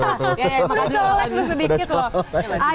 udah colek lu sedikit loh